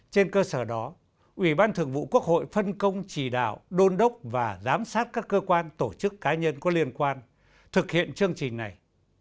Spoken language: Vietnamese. trên cơ sở đó ủy ban thường vụ quốc hội phân công chỉ đạo đôn đốc và giám sát các cơ quan tổ chức cá nhân có liên quan thực hiện chương trình này